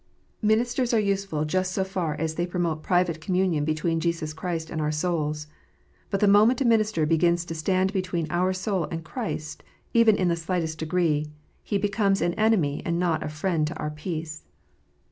Ministers are useful just so far as they promote private THE PKIEST. 259 communion between Jesus Christ and our souls. But the moment a minister begins to stand between our soul and Christ, even in the slightest degree, he becomes an enemy and not a friend to our peace.